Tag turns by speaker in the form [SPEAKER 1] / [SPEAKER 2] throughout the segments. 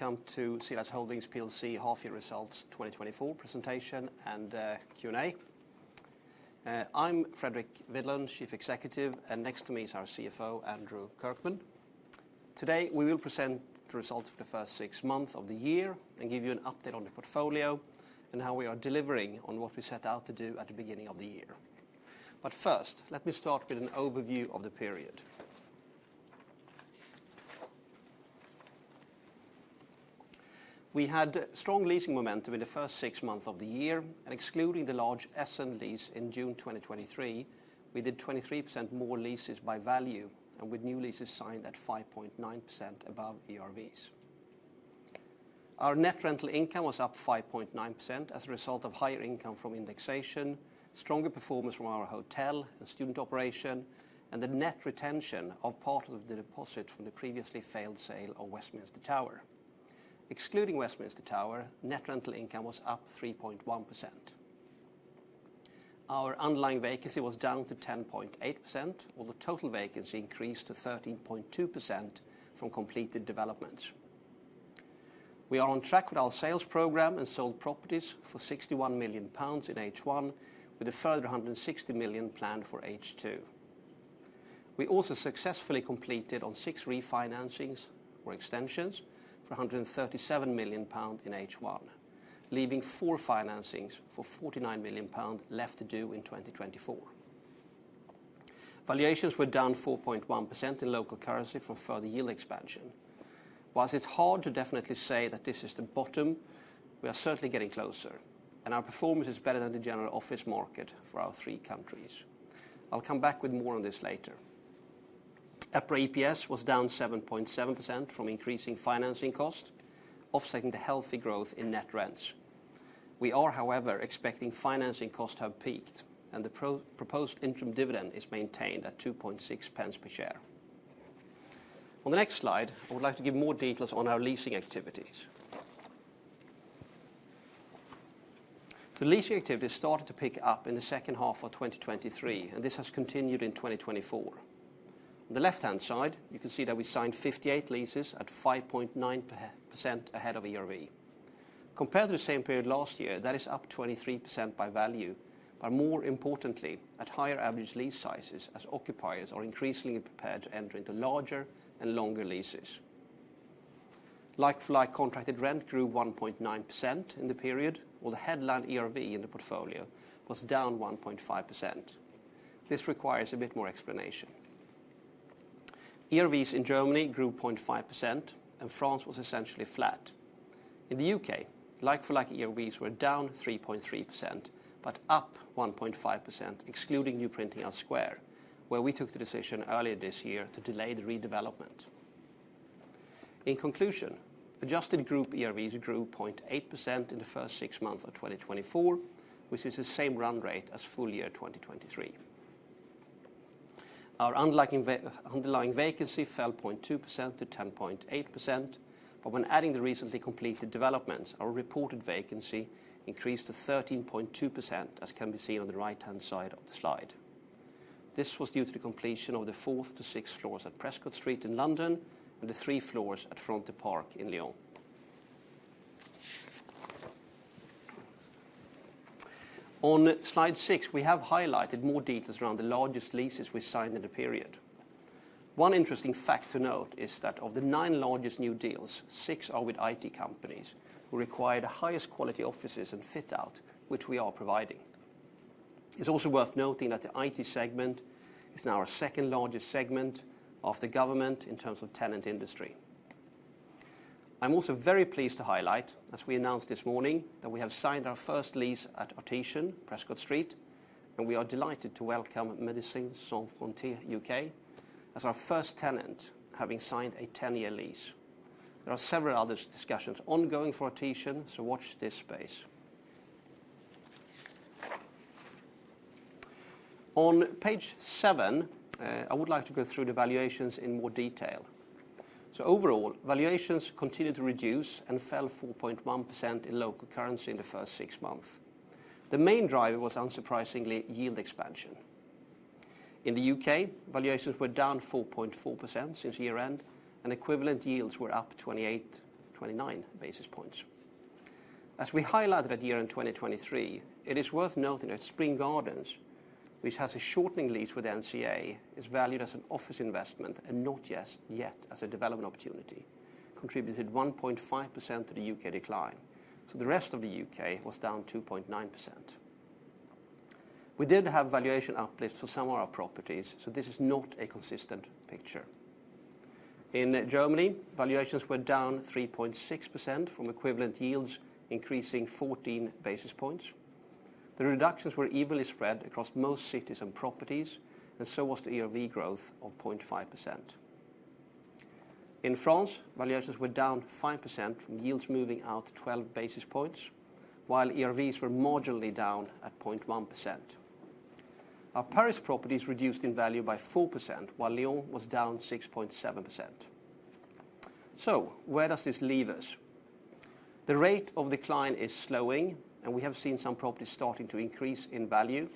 [SPEAKER 1] Welcome to CLS Holdings PLC half-year results 2024 presentation and Q&A. I'm Fredrik Widlund, Chief Executive, and next to me is our CFO, Andrew Kirkman. Today, we will present the results for the first six months of the year and give you an update on the portfolio and how we are delivering on what we set out to do at the beginning of the year. But first, let me start with an overview of the period. We had strong leasing momentum in the first six months of the year, and excluding the large Essen lease in June 2023, we did 23% more leases by value and with new leases signed at 5.9% above ERVs. Our net rental income was up 5.9% as a result of higher income from indexation, stronger performance from our hotel and student operation, and the net retention of part of the deposit from the previously failed sale of Westminster Tower. Excluding Westminster Tower, net rental income was up 3.1%. Our underlying vacancy was down to 10.8%, while the total vacancy increased to 13.2% from completed developments. We are on track with our sales program and sold properties for 61 million pounds in H1, with a further 160 million planned for H2. We also successfully completed six refinancings or extensions for 137 million pounds in H1, leaving four financings for 49 million pounds left to do in 2024. Valuations were down 4.1% in local currency from further yield expansion. While it's hard to definitely say that this is the bottom, we are certainly getting closer, and our performance is better than the general office market for our three countries. I'll come back with more on this later. EPRA EPS was down 7.7% from increasing financing cost, offsetting the healthy growth in net rents. We are, however, expecting financing costs to have peaked, and the proposed interim dividend is maintained at 2.60 per share. On the next slide, I would like to give more details on our leasing activities. The leasing activity started to pick up in the second half of 2023, and this has continued in 2024. On the left-hand side, you can see that we signed 58 leases at 5.9% ahead of ERV. Compared to the same period last year, that is up 23% by value, but more importantly, at higher average lease sizes as occupiers are increasingly prepared to enter into larger and longer leases. Like-for-like contracted rent grew 1.9% in the period, while the headline ERV in the portfolio was down 1.5%. This requires a bit more explanation. ERVs in Germany grew 0.5%, and France was essentially flat. In the U.K., like-for-like ERVs were down 3.3% but up 1.5%, excluding New Printing House Square, where we took the decision earlier this year to delay the redevelopment. In conclusion, adjusted group ERVs grew 0.8% in the first six months of 2024, which is the same run rate as full year 2023. Our underlying vacancy fell 0.2% to 10.8%, but when adding the recently completed developments, our reported vacancy increased to 13.2%, as can be seen on the right-hand side of the slide. This was due to the completion of the fourth to sixth floors at Prescott Street in London and the three floors at Front de Parc in Lyon. On slide six, we have highlighted more details around the largest leases we signed in the period. One interesting fact to note is that of the nine largest new deals, six are with IT companies who required the highest quality offices and fit out, which we are providing. It's also worth noting that the IT segment is now our second largest segment after government in terms of tenant industry. I'm also very pleased to highlight, as we announced this morning, that we have signed our first lease at Artesian, Prescott Street, and we are delighted to welcome Médecins Sans Frontières (UK) as our first tenant, having signed a 10-year lease. There are several other discussions ongoing for Artesian, so watch this space. On page seven, I would like to go through the valuations in more detail. So overall, valuations continued to reduce and fell 4.1% in local currency in the first six months. The main driver was, unsurprisingly, yield expansion. In the U.K., valuations were down 4.4% since year-end, and equivalent yields were up 28-29 basis points. As we highlighted at year-end 2023, it is worth noting that Spring Gardens, which has a shortening lease with NCA, is valued as an office investment and not yet as a development opportunity, contributed 1.5% to the U.K. decline. So the rest of the U.K. was down 2.9%. We did have valuation uplifts for some of our properties, so this is not a consistent picture. In Germany, valuations were down 3.6% from equivalent yields increasing 14 basis points. The reductions were evenly spread across most cities and properties, and so was the ERV growth of 0.5%. In France, valuations were down 5% from yields moving out 12 basis points, while ERVs were marginally down at 0.1%. Our Paris properties reduced in value by 4%, while Lyon was down 6.7%. Where does this leave us? The rate of decline is slowing, and we have seen some properties starting to increase in value.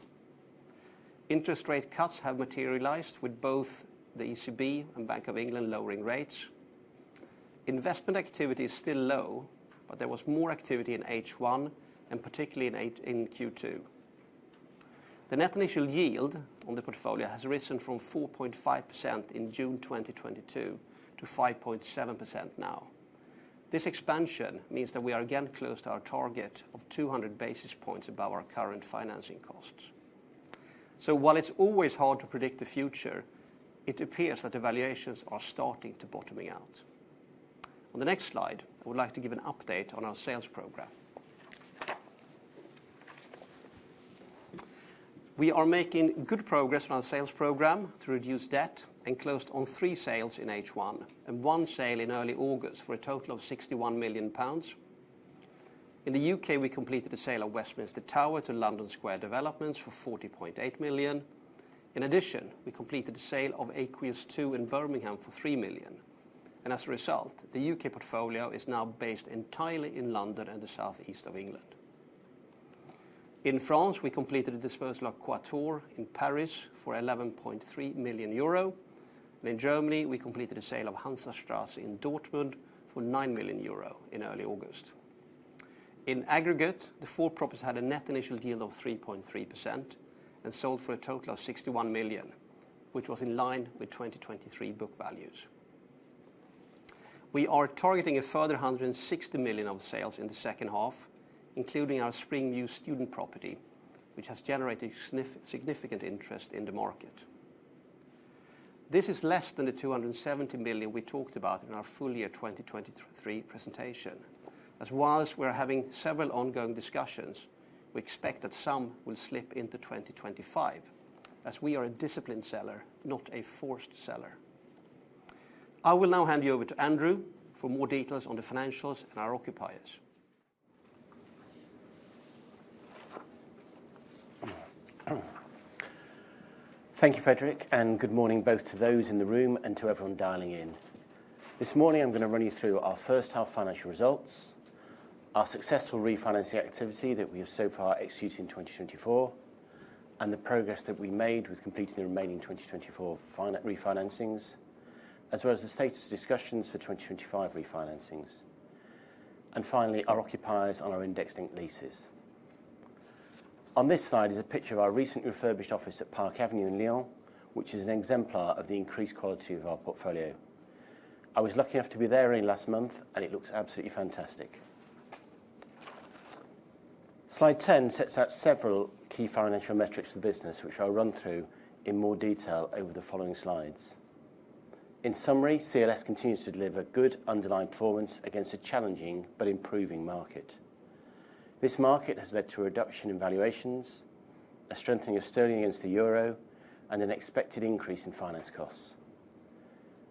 [SPEAKER 1] Interest rate cuts have materialized, with both the ECB and Bank of England lowering rates. Investment activity is still low, but there was more activity in H1 and particularly in Q2. The net initial yield on the portfolio has risen from 4.5% in June 2022 to 5.7% now. This expansion means that we are again close to our target of 200 basis points above our current financing costs. While it's always hard to predict the future, it appears that the valuations are starting to bottoming out. On the next slide, I would like to give an update on our sales program. We are making good progress on our sales program to reduce debt and closed on three sales in H1 and one sale in early August for a total of 61 million pounds. In the U.K., we completed a sale of Westminster Tower to London Square Developments for 40.8 million. In addition, we completed a sale of Aqueous II in Birmingham for 3 million. And as a result, the UK portfolio is now based entirely in London and the southeast of England. In France, we completed a disposal of Quator in Paris for 11.3 million euro, and in Germany, we completed a sale of Hansastraße in Dortmund for 9 million euro in early August. In aggregate, the four properties had a net initial yield of 3.3% and sold for a total of 61 million, which was in line with 2023 book values. We are targeting a further 160 million of sales in the second half, including our Spring Mews student property, which has generated significant interest in the market. This is less than the 270 million we talked about in our full year 2023 presentation. As well as we are having several ongoing discussions, we expect that some will slip into 2025, as we are a disciplined seller, not a forced seller. I will now hand you over to Andrew for more details on the financials and our occupiers.
[SPEAKER 2] Thank you, Fredrik, and good morning both to those in the room and to everyone dialing in. This morning, I'm going to run you through our first-half financial results, our successful refinancing activity that we have so far executed in 2024, and the progress that we made with completing the remaining 2024 refinancings, as well as the status of discussions for 2025 refinancings. And finally, our occupiers on our indexed leases. On this slide is a picture of our recent refurbished office at Park Avenue in Lyon, which is an exemplar of the increased quality of our portfolio. I was lucky enough to be there in last month, and it looks absolutely fantastic. Slide 10 sets out several key financial metrics for the business, which I'll run through in more detail over the following slides. In summary, CLS continues to deliver good underlying performance against a challenging but improving market. This market has led to a reduction in valuations, a strengthening of sterling against the euro, and an expected increase in finance costs.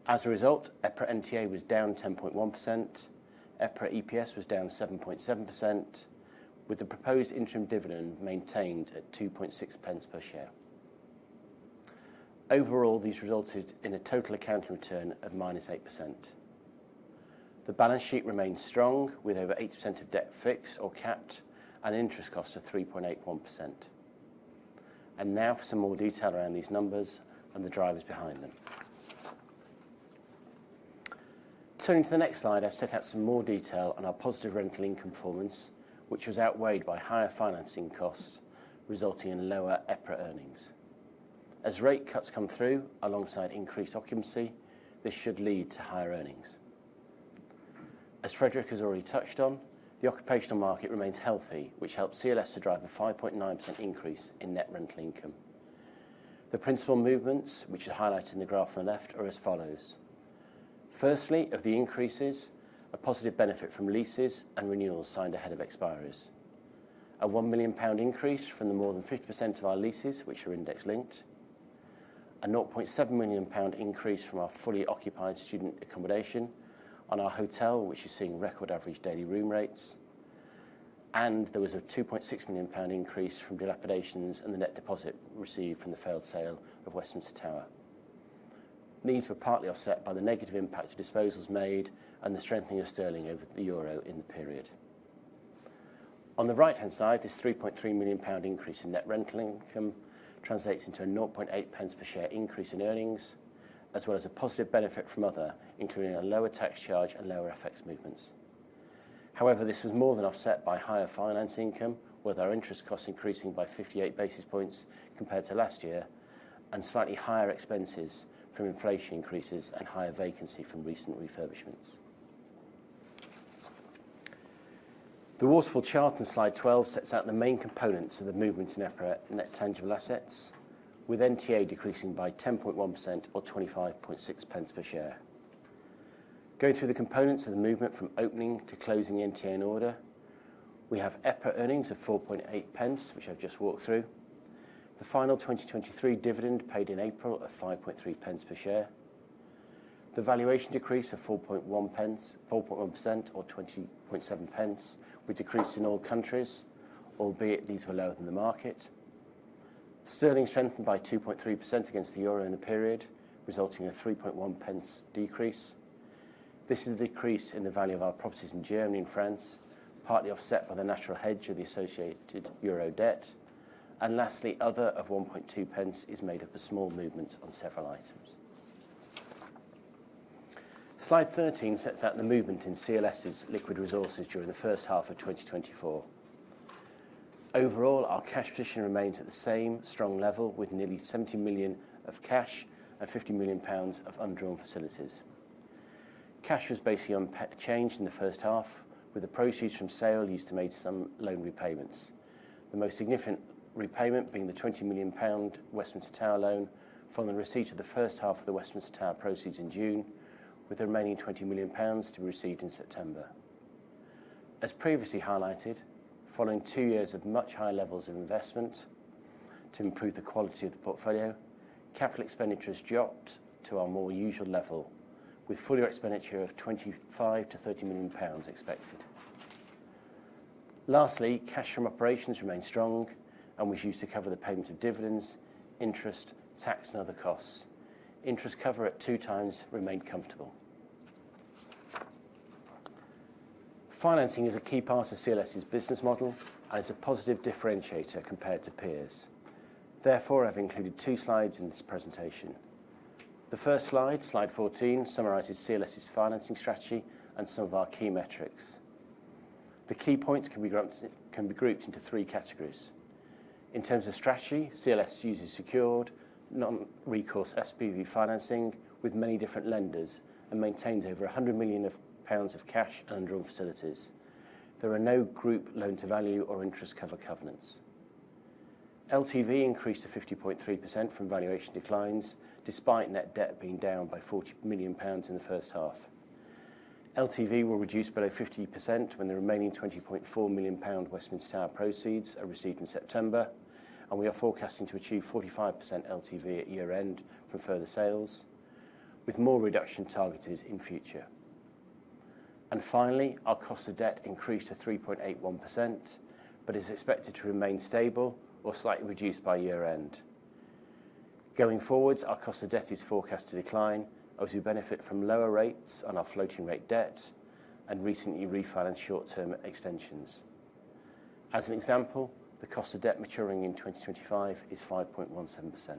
[SPEAKER 2] As a result, EPRA NTA was down 10.1%. EPRA EPS was down 7.7%, with the proposed interim dividend maintained at 2.60 per share. Overall, these resulted in a total accounting return of -8%. The balance sheet remains strong, with over 80% of debt fixed or capped and interest costs of 3.81%. And now for some more detail around these numbers and the drivers behind them. Turning to the next slide, I've set out some more detail on our positive rental income performance, which was outweighed by higher financing costs, resulting in lower EPRA earnings. As rate cuts come through alongside increased occupancy, this should lead to higher earnings. As Fredrik has already touched on, the occupational market remains healthy, which helps CLS to drive a 5.9% increase in net rental income. The principal movements, which are highlighted in the graph on the left, are as follows. Firstly, of the increases, a positive benefit from leases and renewals signed ahead of expires. A 1 million pound increase from the more than 50% of our leases, which are index-linked. A 0.7 million pound increase from our fully occupied student accommodation on our hotel, which is seeing record average daily room rates. And there was a 2.6 million pound increase from dilapidations and the net deposit received from the failed sale of Westminster Tower. These were partly offset by the negative impact of disposals made and the strengthening of sterling over the euro in the period. On the right-hand side, this 3.3 million pound increase in net rental income translates into a 0.80 per share increase in earnings, as well as a positive benefit from other, including a lower tax charge and lower FX movements. However, this was more than offset by higher finance income, with our interest costs increasing by 58 basis points compared to last year, and slightly higher expenses from inflation increases and higher vacancy from recent refurbishments. The waterfall chart on slide 12 sets out the main components of the movement in EPRA net tangible assets, with NTA decreasing by 10.1% or 25.60 per share. Going through the components of the movement from opening to closing NTA in order, we have EPRA earnings of 4.80, which I've just walked through. The final 2023 dividend paid in April of 5.30 per share. The valuation decrease of 4.10, 4.1% or 20.70, with decreases in all countries, albeit these were lower than the market. Sterling strengthened by 2.3% against the euro in the period, resulting in a 3.10 decrease. This is a decrease in the value of our properties in Germany and France, partly offset by the natural hedge of the associated euro debt. And lastly, other of 1.20 is made up of small movements on several items. Slide 13 sets out the movement in CLS's liquid resources during the first half of 2024. Overall, our cash position remains at the same strong level, with nearly 70 million of cash and 50 million pounds of undrawn facilities. Cash was basically unchanged in the first half, with the proceeds from sale used to make some loan repayments, the most significant repayment being the 20 million pound Westminster Tower loan from the receipt of the first half of the Westminster Tower proceeds in June, with the remaining 20 million pounds to be received in September. As previously highlighted, following two years of much higher levels of investment to improve the quality of the portfolio, capital expenditure has dropped to our more usual level, with full year expenditure of 25-30 million pounds expected. Lastly, cash from operations remained strong and was used to cover the payment of dividends, interest, tax, and other costs. Interest cover at two times remained comfortable. Financing is a key part of CLS's business model and is a positive differentiator compared to peers. Therefore, I've included two slides in this presentation. The first slide, slide 14, summarizes CLS's financing strategy and some of our key metrics. The key points can be grouped into three categories. In terms of strategy, CLS uses secured non-recourse SPV financing with many different lenders and maintains over 100 million pounds of cash and undrawn facilities. There are no group loan-to-value or interest cover covenants. LTV increased to 50.3% from valuation declines, despite net debt being down by 40 million pounds in the first half. LTV will reduce below 50% when the remaining 20.4 million pound Westminster Tower proceeds are received in September, and we are forecasting to achieve 45% LTV at year-end from further sales, with more reduction targeted in future. Finally, our cost of debt increased to 3.81%, but is expected to remain stable or slightly reduced by year-end. Going forward, our cost of debt is forecast to decline, as we benefit from lower rates on our floating-rate debt and recently refinanced short-term extensions. As an example, the cost of debt maturing in 2025 is 5.17%.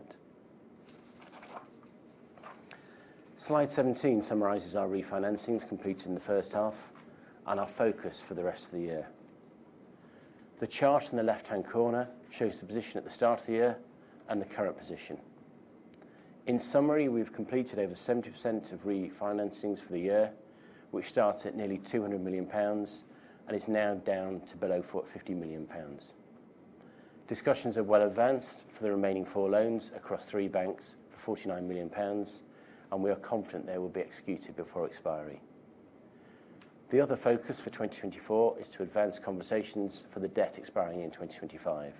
[SPEAKER 2] Slide 17 summarizes our refinancings completed in the first half and our focus for the rest of the year. The chart in the left-hand corner shows the position at the start of the year and the current position. In summary, we've completed over 70% of refinancings for the year, which started at nearly 200 million pounds and is now down to below 450 million pounds. Discussions are well advanced for the remaining four loans across three banks for 49 million pounds, and we are confident they will be executed before expiry. The other focus for 2024 is to advance conversations for the debt expiring in 2025.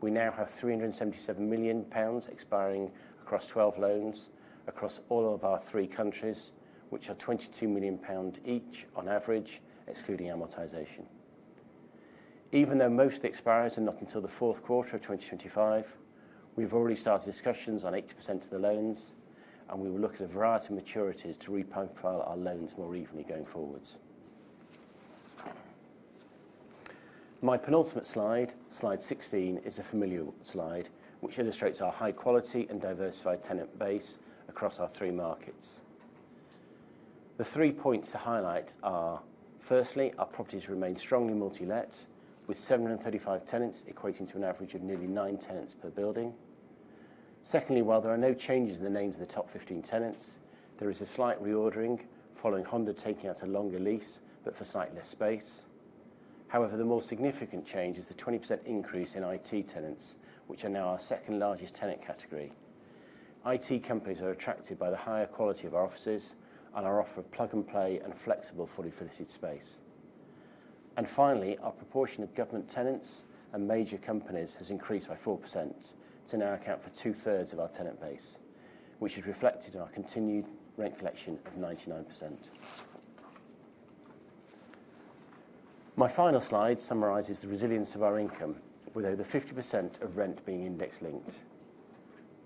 [SPEAKER 2] We now have 377 million pounds expiring across 12 loans across all of our three countries, which are 22 million pound each on average, excluding amortization. Even though most of the expires are not until the fourth quarter of 2025, we've already started discussions on 80% of the loans, and we will look at a variety of maturities to reprofile our loans more evenly going forward. My penultimate slide, slide 16, is a familiar slide, which illustrates our high-quality and diversified tenant base across our three markets. The three points to highlight are: firstly, our properties remain strongly multi-let, with 735 tenants equating to an average of nearly nine tenants per building. Secondly, while there are no changes in the names of the top 15 tenants, there is a slight reordering following Honda taking out a longer lease, but for slightly less space. However, the more significant change is the 20% increase in IT tenants, which are now our second-largest tenant category. IT companies are attracted by the higher quality of our offices and our offer of plug-and-play and flexible fully-fitted space. Finally, our proportion of government tenants and major companies has increased by 4% to now account for two-thirds of our tenant base, which is reflected in our continued rent collection of 99%. My final slide summarizes the resilience of our income, with over 50% of rent being index-linked.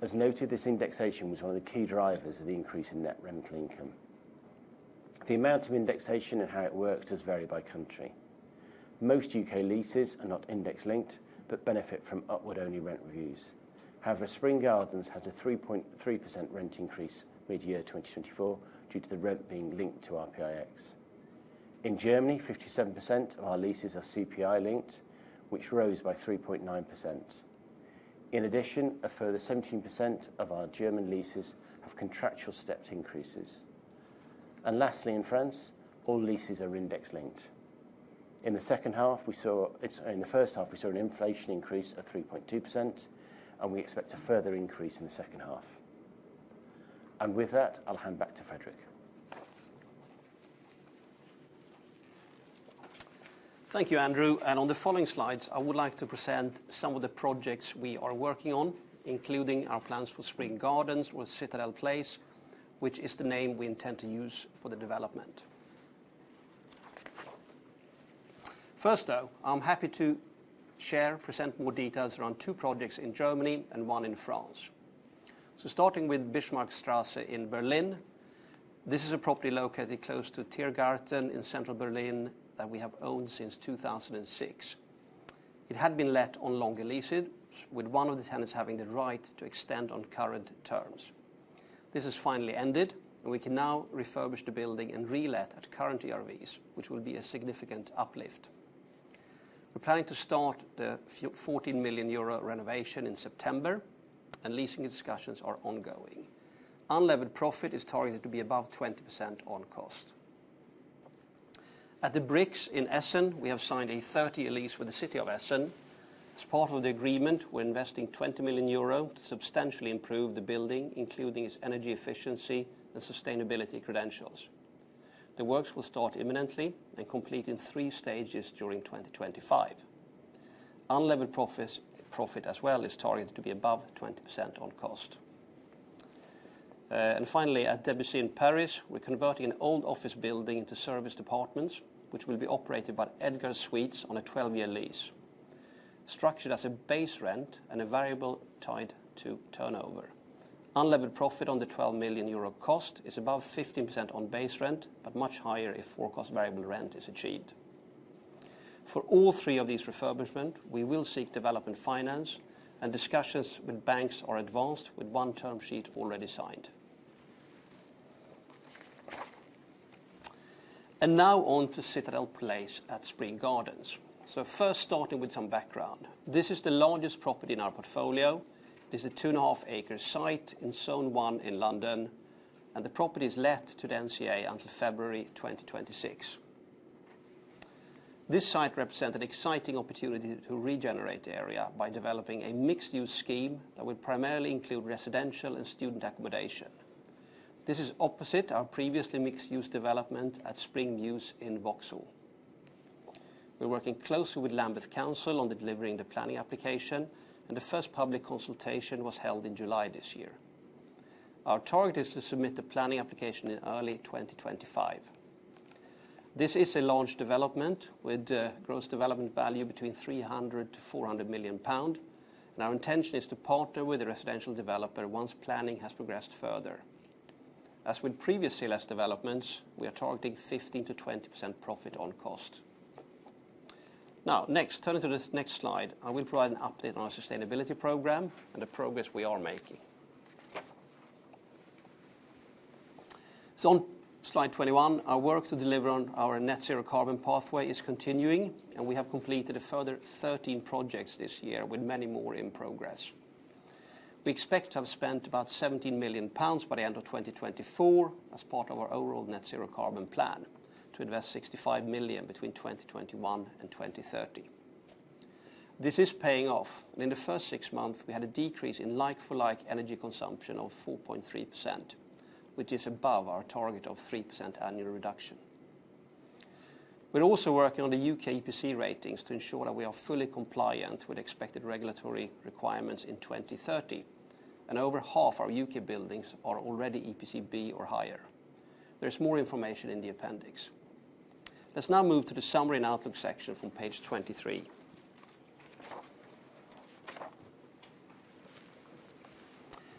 [SPEAKER 2] As noted, this indexation was one of the key drivers of the increase in net rental income. The amount of indexation and how it works does vary by country. Most U.K. leases are not index-linked, but benefit from upward-only rent reviews. However, Spring Gardens had a 3.3% rent increase mid-year 2024 due to the rent being linked to RPIX. In Germany, 57% of our leases are CPI-linked, which rose by 3.9%. In addition, a further 17% of our German leases have contractual stepped increases. And lastly, in France, all leases are index-linked. In the second half, we saw, sorry, in the first half, we saw an inflation increase of 3.2%, and we expect a further increase in the second half. And with that, I'll hand back to Fredrik.
[SPEAKER 1] Thank you, Andrew. On the following slides, I would like to present some of the projects we are working on, including our plans for Spring Gardens or Citadel Place, which is the name we intend to use for the development. First, though, I'm happy to share, present more details around two projects in Germany and one in France. Starting with Bismarckstraße in Berlin, this is a property located close to Tiergarten in central Berlin that we have owned since 2006. It had been let on longer leases, with one of the tenants having the right to extend on current terms. This has finally ended, and we can now refurbish the building and re-let at current ERVs, which will be a significant uplift. We're planning to start the 14 million euro renovation in September, and leasing discussions are ongoing. Unlevered profit is targeted to be above 20% on cost. At The Bricks in Essen, we have signed a 30-year lease with the City of Essen. As part of the agreement, we're investing 20 million euro to substantially improve the building, including its energy efficiency and sustainability credentials. The works will start imminently and complete in three stages during 2025. Unlevered profit as well is targeted to be above 20% on cost. Finally, at Debussy in Paris, we're converting an old office building into serviced apartments, which will be operated by Edgar Suites on a 12-year lease, structured as a base rent and a variable tied to turnover. Unlevered profit on the 12 million euro cost is above 15% on base rent, but much higher if forecast variable rent is achieved. For all three of these refurbishments, we will seek development finance, and discussions with banks are advanced with one term sheet already signed. Now on to Citadel Place at Spring Gardens. First, starting with some background, this is the largest property in our portfolio. This is a 2.5-acre site in Zone 1 in London, and the property is let to the NCA until February 2026. This site represents an exciting opportunity to regenerate the area by developing a mixed-use scheme that will primarily include residential and student accommodation. This is opposite our previously mixed-use development at Spring Mews in Vauxhall. We're working closely with Lambeth Council on delivering the planning application, and the first public consultation was held in July this year. Our target is to submit the planning application in early 2025. This is a landmark development with a gross development value between 300 million-400 million pound, and our intention is to partner with a residential developer once planning has progressed further. As with previous CLS developments, we are targeting 15%-20% profit on cost. Now, next, turning to the next slide, I will provide an update on our sustainability program and the progress we are making. So on slide 21, our work to deliver on our net zero carbon pathway is continuing, and we have completed a further 13 projects this year, with many more in progress. We expect to have spent about 17 million pounds by the end of 2024 as part of our overall net zero carbon plan to invest 65 million between 2021 and 2030. This is paying off, and in the first six months, we had a decrease in like-for-like energy consumption of 4.3%, which is above our target of 3% annual reduction. We're also working on the U.K. EPC ratings to ensure that we are fully compliant with expected regulatory requirements in 2030, and over half our U.K. buildings are already EPC B or higher. There is more information in the appendix. Let's now move to the summary and outlook section from page 23.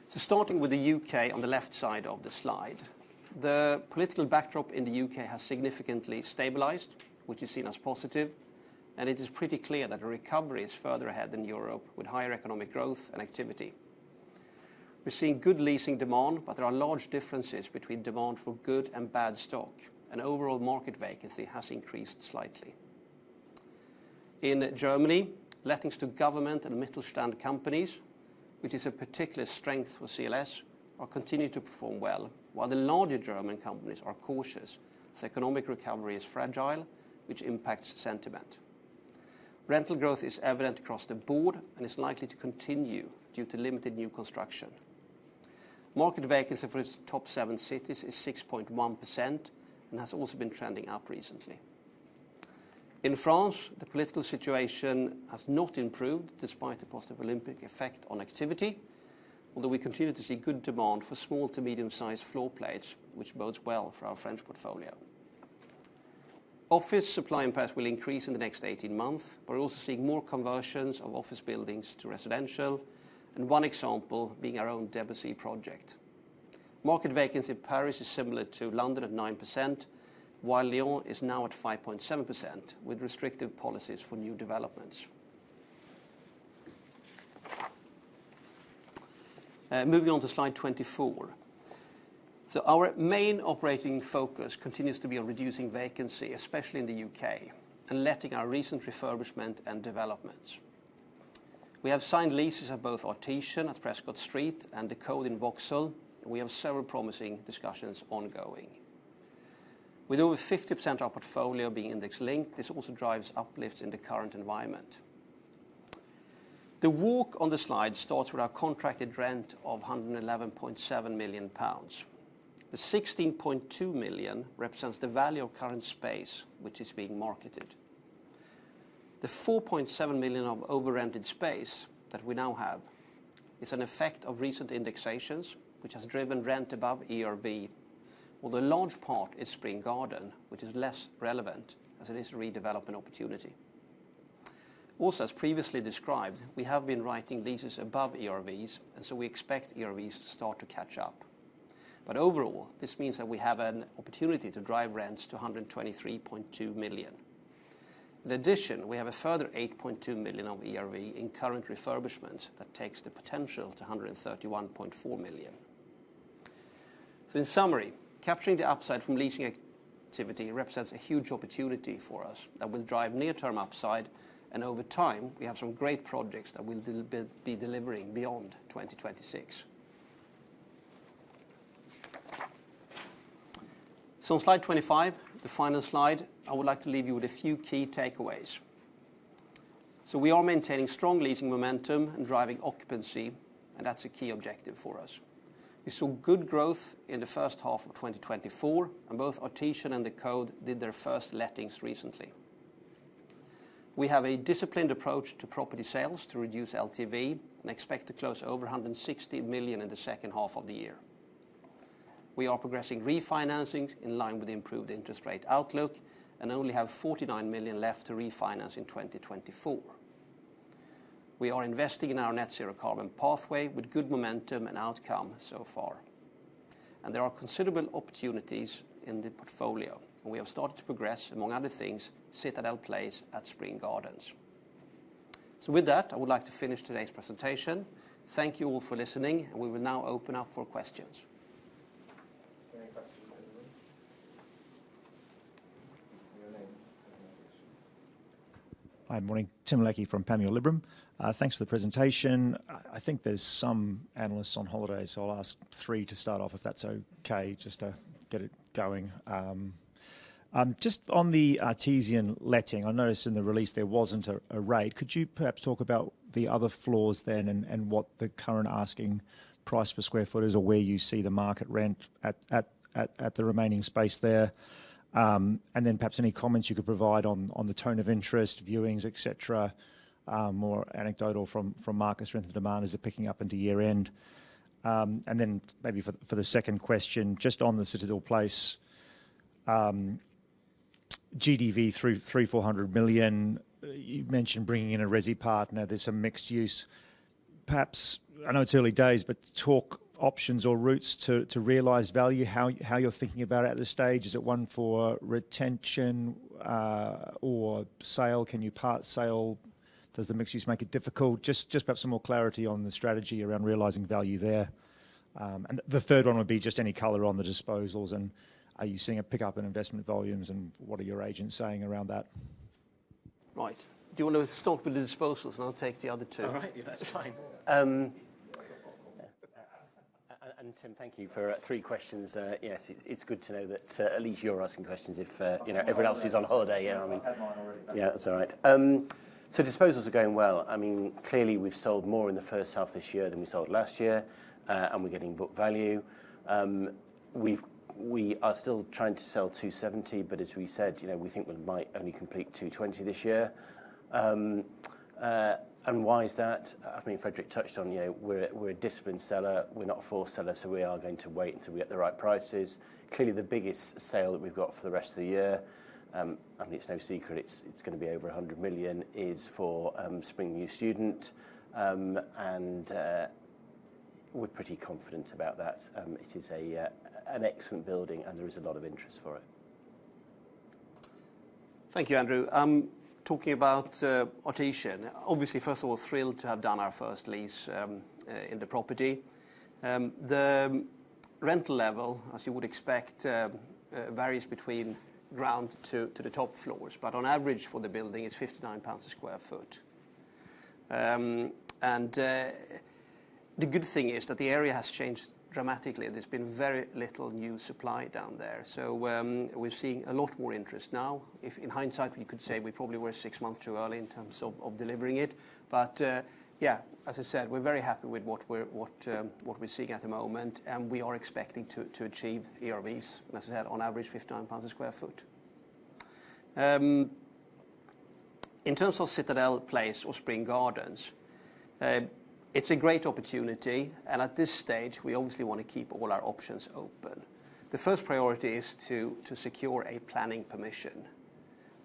[SPEAKER 1] So starting with the U.K. on the left side of the slide, the political backdrop in the U.K. has significantly stabilized, which is seen as positive, and it is pretty clear that recovery is further ahead than Europe, with higher economic growth and activity. We're seeing good leasing demand, but there are large differences between demand for good and bad stock, and overall market vacancy has increased slightly. In Germany, lettings to government and Mittelstand companies, which is a particular strength for CLS, are continuing to perform well, while the larger German companies are cautious as economic recovery is fragile, which impacts sentiment. Rental growth is evident across the board and is likely to continue due to limited new construction. Market vacancy for its top seven cities is 6.1% and has also been trending up recently. In France, the political situation has not improved despite the positive Olympic effect on activity, although we continue to see good demand for small to medium-sized floor plates, which bodes well for our French portfolio. Office supply and path will increase in the next 18 months, but we're also seeing more conversions of office buildings to residential, and one example being our own Debussy project. Market vacancy in Paris is similar to London at 9%, while Lyon is now at 5.7% with restrictive policies for new developments. Moving on to slide 24. So our main operating focus continues to be on reducing vacancy, especially in the U.K., and letting our recent refurbishment and developments. We have signed leases at both Artesian at Prescott Street and The Coade in Vauxhall, and we have several promising discussions ongoing. With over 50% of our portfolio being index-linked, this also drives uplifts in the current environment. The walk on the slide starts with our contracted rent of 111.7 million pounds. The 16.2 million represents the value of current space, which is being marketed. The 4.7 million of over-rented space that we now have is an effect of recent indexations, which has driven rent above ERV, although a large part is Spring Gardens, which is less relevant as it is a redevelopment opportunity. Also, as previously described, we have been writing leases above ERVs, and so we expect ERVs to start to catch up. But overall, this means that we have an opportunity to drive rents to 123.2 million. In addition, we have a further 8.2 million of ERV in current refurbishments that takes the potential to 131.4 million. So in summary, capturing the upside from leasing activity represents a huge opportunity for us that will drive near-term upside, and over time, we have some great projects that we'll be delivering beyond 2026. So on slide 25, the final slide, I would like to leave you with a few key takeaways. We are maintaining strong leasing momentum and driving occupancy, and that's a key objective for us. We saw good growth in the first half of 2024, and both Artesian and the Coade did their first lettings recently. We have a disciplined approach to property sales to reduce LTV and expect to close over 160 million in the second half of the year. We are progressing refinancing in line with the improved interest rate outlook and only have 49 million left to refinance in 2024. We are investing in our net zero carbon pathway with good momentum and outcome so far, and there are considerable opportunities in the portfolio, and we have started to progress, among other things, Citadel Place at Spring Gardens. So with that, I would like to finish today's presentation. Thank you all for listening, and we will now open up for questions.
[SPEAKER 3] Hi, morning. Tim Leckie from Panmure Liberum. Thanks for the presentation. I think there's some analysts on holiday, so I'll ask three to start off, if that's okay, just to get it going. Just on the Artesian letting, I noticed in the release there wasn't a rate. Could you perhaps talk about the other floors then and what the current asking price per square foot is or where you see the market rent at the remaining space there? And then perhaps any comments you could provide on the tone of interest, viewings, etc., more anecdotal from market strength and demand as they're picking up into year-end. And then maybe for the second question, just on the Citadel Place, GDV 300-400 million. You mentioned bringing in a Resi partner. There's some mixed use. Perhaps, I know it's early days, but talk options or routes to realize value. How are you thinking about it at this stage? Is it one for retention or sale? Can you part sale? Does the mixed use make it difficult? Just perhaps some more clarity on the strategy around realizing value there. The third one would be just any color on the disposals. Are you seeing a pickup in investment volumes, and what are your agents saying around that?
[SPEAKER 1] Right. Do you want to start with the disposals, and I'll take the other two?
[SPEAKER 2] All right. Yeah, that's fine. And Tim, thank you for three questions. Yes, it's good to know that at least you're asking questions if everyone else is on holiday. Yeah, that's all right. So disposals are going well. I mean, clearly, we've sold more in the first half of this year than we sold last year, and we're getting book value. We are still trying to sell 270, but as we said, we think we might only complete 220 this year. And why is that? I think Fredrik touched on we're a disciplined seller. We're not a force seller, so we are going to wait until we get the right prices. Clearly, the biggest sale that we've got for the rest of the year, I mean, it's no secret it's going to be over 100 million, is for Spring Mews student, and we're pretty confident about that. It is an excellent building, and there is a lot of interest for it.
[SPEAKER 1] Thank you, Andrew. Talking about Artesian, obviously, first of all, thrilled to have done our first lease in the property. The rental level, as you would expect, varies between ground to the top floors, but on average for the building, it's 59 pounds sq ft. And the good thing is that the area has changed dramatically, and there's been very little new supply down there. So we're seeing a lot more interest now. In hindsight, we could say we probably were six months too early in terms of delivering it. But yeah, as I said, we're very happy with what we're seeing at the moment, and we are expecting to achieve ERVs, as I said, on average 59 pounds sq ft. In terms of Citadel Place or Spring Gardens, it's a great opportunity, and at this stage, we obviously want to keep all our options open. The first priority is to secure a planning permission.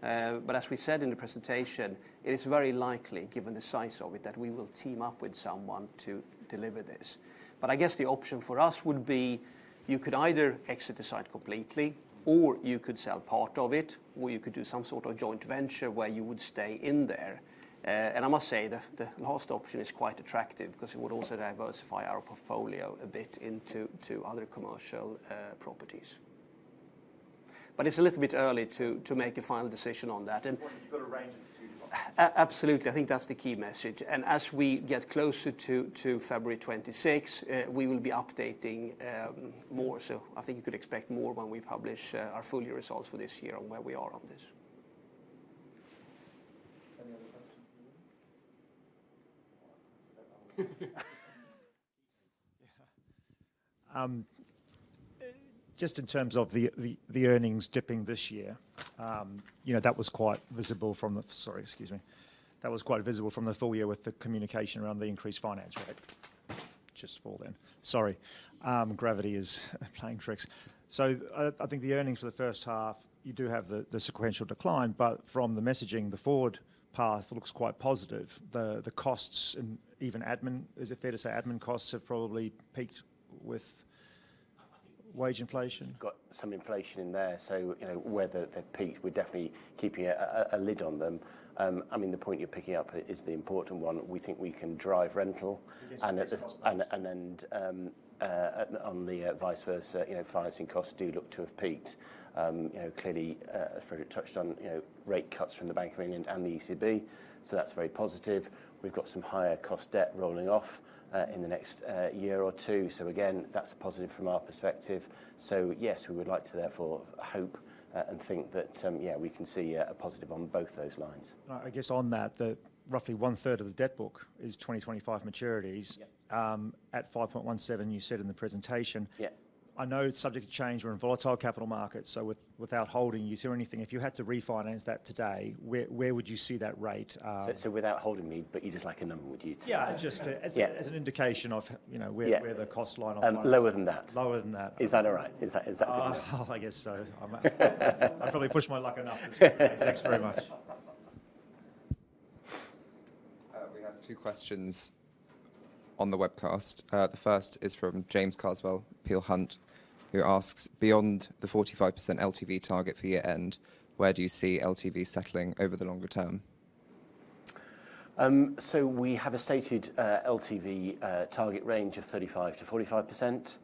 [SPEAKER 1] But as we said in the presentation, it is very likely, given the size of it, that we will team up with someone to deliver this. But I guess the option for us would be you could either exit the site completely, or you could sell part of it, or you could do some sort of joint venture where you would stay in there. And I must say the last option is quite attractive because it would also diversify our portfolio a bit into other commercial properties. But it's a little bit early to make a final decision on that.
[SPEAKER 2] But a range of two different.
[SPEAKER 1] Absolutely. I think that's the key message. As we get closer to 26 February, we will be updating more. I think you could expect more when we publish our full year results for this year on where we are on this. Any other questions?
[SPEAKER 3] Just in terms of the earnings dipping this year, that was quite visible from the, sorry, excuse me, that was quite visible from the full year with the communication around the increased finance rate. Just fall then. Sorry. Gravity is playing tricks. So I think the earnings for the first half, you do have the sequential decline, but from the messaging, the forward path looks quite positive. The costs, and even admin, is it fair to say admin costs have probably peaked with wage inflation?
[SPEAKER 2] Got some inflation in there, so where they've peaked, we're definitely keeping a lid on them. I mean, the point you're picking up is the important one. We think we can drive rental, and then on the vice versa, financing costs do look to have peaked. Clearly, as Fredrik touched on, rate cuts from the Bank of England and the ECB, so that's very positive. We've got some higher cost debt rolling off in the next year or two. So again, that's a positive from our perspective. So yes, we would like to therefore hope and think that, yeah, we can see a positive on both those lines.
[SPEAKER 1] I guess on that, roughly one-third of the debt book is 2025 maturities at 5.17, you said in the presentation. I know it's subject to change. We're in volatile capital markets, so without holding you to anything, if you had to refinance that today, where would you see that rate?
[SPEAKER 3] So without holding me, but you just like a number, would you?
[SPEAKER 1] Yeah, just as an indication of where the cost line of.
[SPEAKER 3] Lower than that.
[SPEAKER 1] Lower than that.
[SPEAKER 3] Is that all right?
[SPEAKER 1] I guess so. I'll probably push my luck enough. Thanks very much.
[SPEAKER 2] We have two questions on the webcast. The first is from James Carswell, Peel Hunt, who asks, beyond the 45% LTV target for year-end, where do you see LTV settling over the longer term?
[SPEAKER 1] So we have a stated LTV target range of 35%-45%.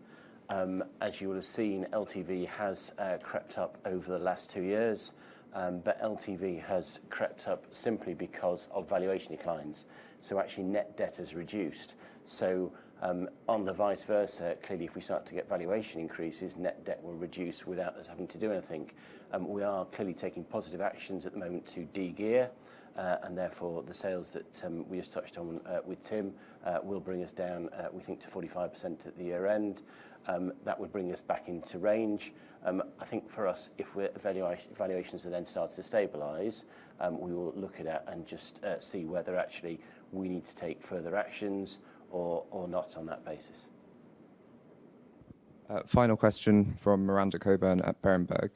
[SPEAKER 1] As you will have seen, LTV has crept up over the last two years, but LTV has crept up simply because of valuation declines. So actually, net debt has reduced. So on the vice versa, clearly, if we start to get valuation increases, net debt will reduce without us having to do anything. We are clearly taking positive actions at the moment to de-gear, and therefore, the sales that we just touched on with Tim will bring us down, we think, to 45% at the year-end. That would bring us back into range. I think for us, if valuations have then started to stabilize, we will look at that and just see whether actually we need to take further actions or not on that basis.
[SPEAKER 2] Final question from Miranda Cockburn at Berenberg.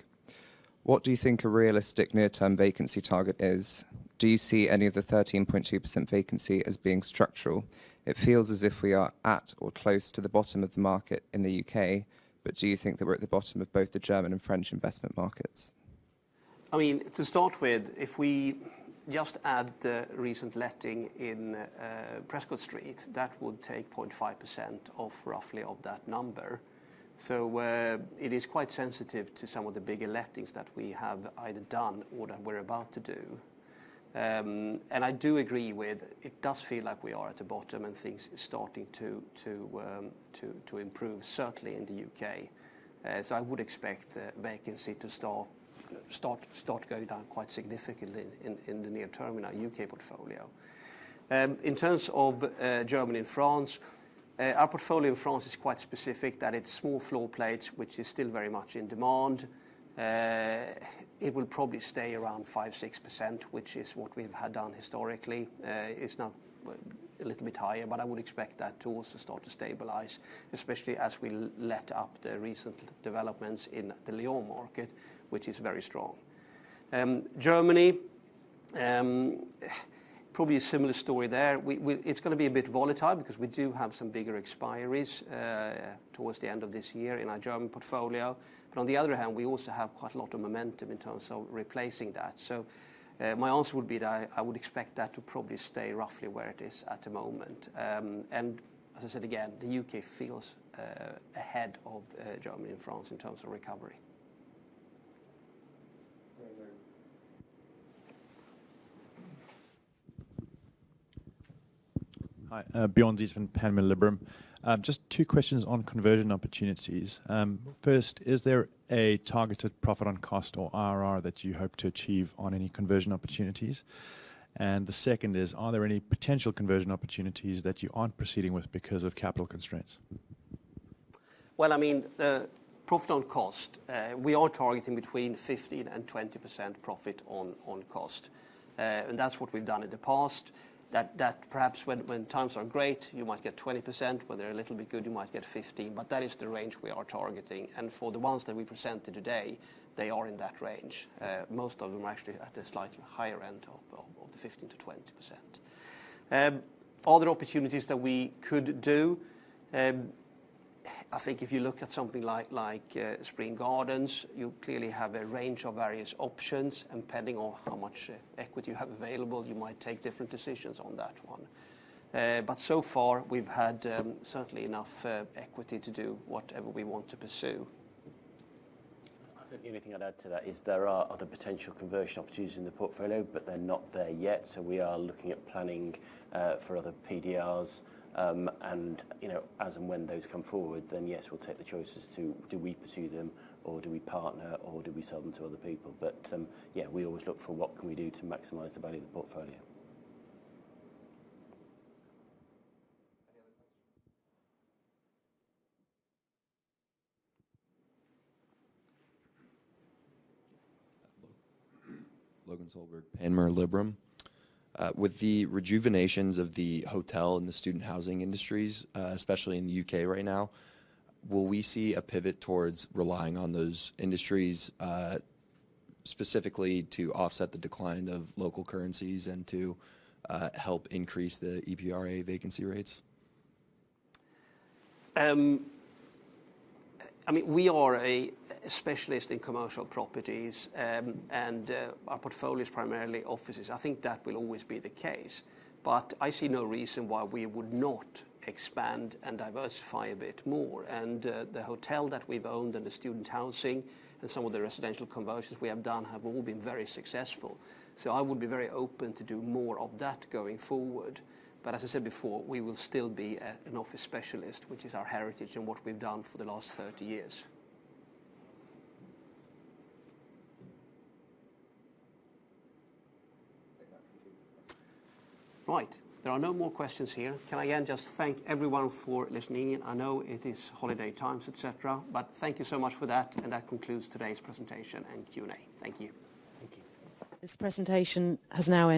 [SPEAKER 2] What do you think a realistic near-term vacancy target is? Do you see any of the 13.2% vacancy as being structural? It feels as if we are at or close to the bottom of the market in the U.K., but do you think that we're at the bottom of both the German and French investment markets?
[SPEAKER 1] I mean, to start with, if we just add the recent letting in Prescott Street, that would take 0.5% off roughly of that number. So it is quite sensitive to some of the bigger lettings that we have either done or that we're about to do. And I do agree with it does feel like we are at the bottom and things are starting to improve, certainly in the U.K. So I would expect vacancy to start going down quite significantly in the near-term in our U.K. portfolio. In terms of Germany and France, our portfolio in France is quite specific that it's small floor plates, which is still very much in demand. It will probably stay around 5%-6%, which is what we've had done historically. It's now a little bit higher, but I would expect that to also start to stabilize, especially as we look at the recent developments in the Lyon market, which is very strong. Germany, probably a similar story there. It's going to be a bit volatile because we do have some bigger expiries towards the end of this year in our German portfolio. But on the other hand, we also have quite a lot of momentum in terms of replacing that. So my answer would be that I would expect that to probably stay roughly where it is at the moment. And as I said again, the U.K. feels ahead of Germany and France in terms of recovery.
[SPEAKER 4] Hi, Bjorn Zietsman, Panmure Liberum. Just two questions on conversion opportunities. First, is there a targeted profit on cost or IRR that you hope to achieve on any conversion opportunities? And the second is, are there any potential conversion opportunities that you aren't proceeding with because of capital constraints?
[SPEAKER 1] Well, I mean, profit on cost, we are targeting between 15% and 20% profit on cost. And that's what we've done in the past. Perhaps when times are great, you might get 20%. When they're a little bit good, you might get 15%. But that is the range we are targeting. And for the ones that we presented today, they are in that range. Most of them are actually at a slightly higher end of the 15%-20%. Other opportunities that we could do, I think if you look at something like Spring Gardens, you clearly have a range of various options. And depending on how much equity you have available, you might take different decisions on that one. But so far, we've had certainly enough equity to do whatever we want to pursue.
[SPEAKER 2] I think the only thing I'd add to that is there are other potential conversion opportunities in the portfolio, but they're not there yet. So we are looking at planning for other PDRs. And as and when those come forward, then yes, we'll take the choices to do we pursue them, or do we partner, or do we sell them to other people. But yeah, we always look for what can we do to maximize the value of the portfolio.
[SPEAKER 1] Any other questions?
[SPEAKER 5] Logan Soelberg, Panmure Liberum. With the rejuvenation of the hotel and the student housing industries, especially in the U.K. right now, will we see a pivot towards relying on those industries specifically to offset the decline of local currencies and to help increase the EPRA vacancy rates?
[SPEAKER 1] I mean, we are a specialist in commercial properties, and our portfolio is primarily offices. I think that will always be the case. But I see no reason why we would not expand and diversify a bit more. And the hotel that we've owned and the student housing and some of the residential conversions we have done have all been very successful. So I would be very open to do more of that going forward. But as I said before, we will still be an office specialist, which is our heritage and what we've done for the last 30 years. Right. There are no more questions here. Can I again just thank everyone for listening? I know it is holiday times, et cetera, but thank you so much for that. And that concludes today's presentation and Q&A. Thank you.
[SPEAKER 6] This presentation has now.